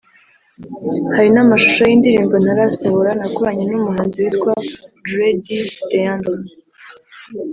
Hari n’amashusho y’indirimbo ntarasohora nakoranye n’umuhanzi witwa Dre D Deandre